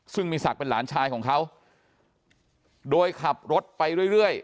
ซึ่งมีศักดิ์เป็นหลานชายของเขาโดยขับรถไปเรื่อย